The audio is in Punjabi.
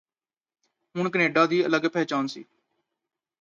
ਹੁਣ ਕੈਨੇਡਾ ਦੀ ਅਲੱਗ ਪਹਿਚਾਣ ਸੀ